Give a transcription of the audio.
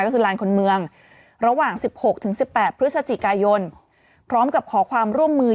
ก็คือลานคนเมืองระหว่าง๑๖ถึง๑๘พฤศจิกายนพร้อมกับขอความร่วมมือ